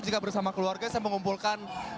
jika bersama keluarga saya mengumpulkan